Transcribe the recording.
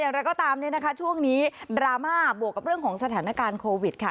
เราก็ตามเนี่ยนะคะช่วงนี้ดราม่าบวกกับเรื่องของสถานการณ์โควิดค่ะ